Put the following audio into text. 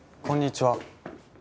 こんにちは。